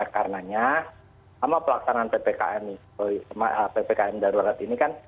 karena sama pelaksanaan ppkm darurat ini kan